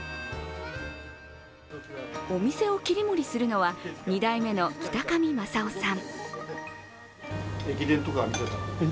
お店を切り盛りするのは、２代目の北上昌夫さん。